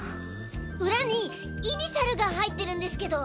裏にイニシャルが入ってるんですけど。